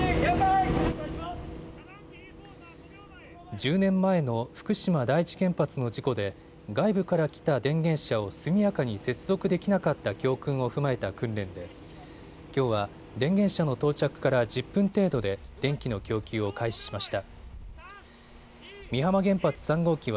１０年前の福島第一原発の事故で外部から来た電源車を速やかに接続できなかった教訓を踏まえた訓練できょうは電源車の到着から１０分程度で電気の供給を開始しました。